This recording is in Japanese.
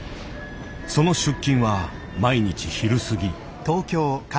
その出勤は毎日昼過ぎ。